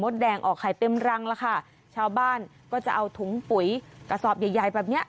แดงออกไข่เต็มรังแล้วค่ะชาวบ้านก็จะเอาถุงปุ๋ยกระสอบใหญ่ใหญ่แบบเนี้ย